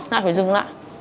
lại phải dừng lại